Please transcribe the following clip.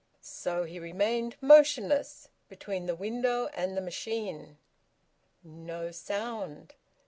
So he remained, motionless, between the window and the machine. No sound!